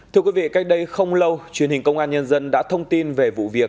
thưa quý vị cách đây không lâu truyền hình công an nhân dân đã thông tin về vụ việc